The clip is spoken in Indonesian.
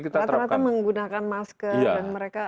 ternyata menggunakan masker dan mereka